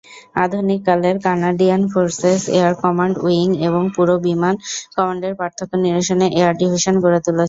আধুনিককালের Canadian forces air command wing এবং পুরো বিমান কমান্ডের পার্থক্য নিরসনে এয়ার ডিভিশন গড়ে তুলেছে।